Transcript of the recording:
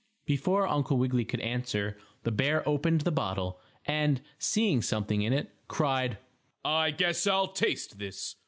Before Uncle Wiggily could answer, the bear opened the bottle, and, seeing something in it, cried: "I guess I'll taste this.